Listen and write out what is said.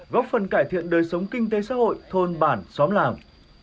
góp phần cải thiện đời sống kinh tế xã hội thôn bản xóm làng